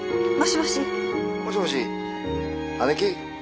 もしもし姉貴？